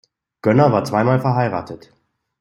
Gönner war zweimal verheiratet.